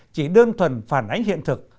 chỉ đơn thuần phản ánh hiện thực